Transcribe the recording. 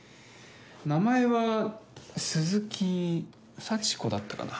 名前は、鈴木幸子だったかな。